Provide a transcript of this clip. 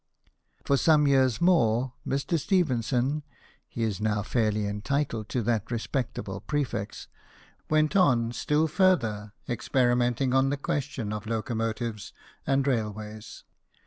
For some years more, Mr. Stephenson (he is now fairly entitled to that respectable prefix) went on still further experimenting on the question of locomotives and railways.